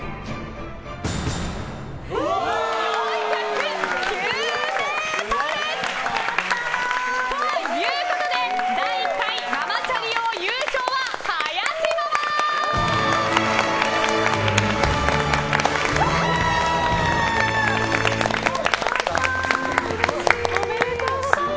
４０９ｍ！ということで第１回ママチャリ王優勝は林ママ！おめでとうございます！